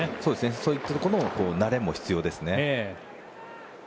そういったところの慣れも必要ですね。